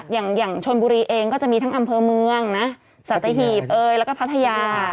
อย่างชนบุรีเองก็จะมีทั้งอำเภอเมืองนะสัตหีบแล้วก็พัทยา